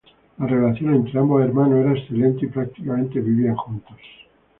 La relación entre ambos hermanos era excelente y prácticamente vivían juntos.